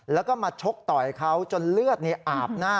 แล้วก็มาชกต่อยเขาจนเลือดอาบหน้า